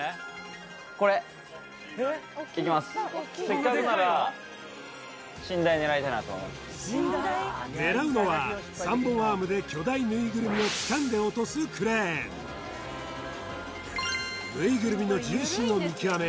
これいきますなと狙うのは３本アームで巨大ぬいぐるみをつかんで落とすクレーンぬいぐるみの重心を見極め